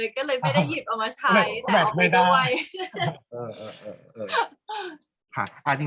ก็เลยไม่ได้หยิบออกมาใช้แต่เอาไปไว